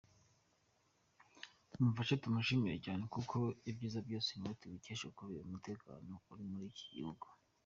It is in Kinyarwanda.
Mumfashe tumushimire cyane kuko ibyiza byose niwe tubikesha kubera umutekano uri muri iki gihugu.